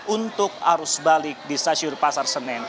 untuk arus balik di stasiun empat senin